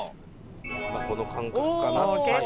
この感覚かな。